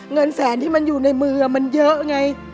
เงินแสนที่มันอยู่ในมือมันเยอะไง